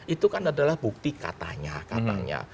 itu kan adalah bukti katanya katanya